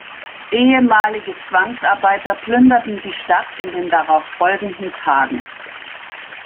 Ehemalige Zwangsarbeiter plünderten die Stadt in den darauffolgenden Tagen.